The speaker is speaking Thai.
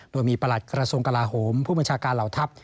โดยมีประหลัดกระทรวงกลาโหมผู้บัญชาการเหล่าทัพ